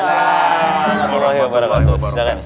assalamualaikum warahmatullahi wabarakatuh